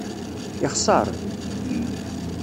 Yexser?